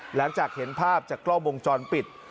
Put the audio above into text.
หลังจากเห็นภาพจากกล้องวงจรปิด